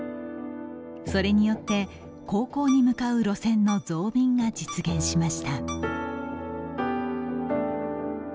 それによって、高校に向かう路線の増便が実現しました。